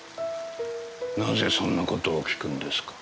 なぜそんなことを訊くんですか？